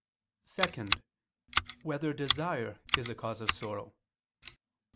(2) Whether desire is a cause of sorrow?